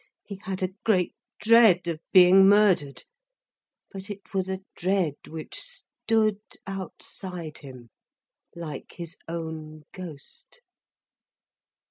He had a great dread of being murdered. But it was a dread which stood outside him, like his own ghost.